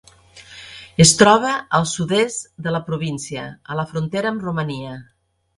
Es troba al sud-est de la província, a la frontera amb Romania.